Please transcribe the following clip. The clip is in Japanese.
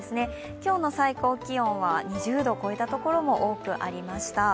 今日の最高気温は２０度を超えたところも多くありました。